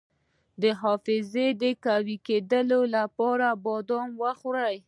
د حافظې د قوي کیدو لپاره بادام وخورئ